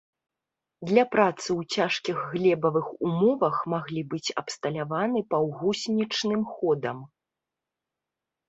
Для працы ў цяжкіх глебавых умовах маглі быць абсталяваны паўгусенічным ходам.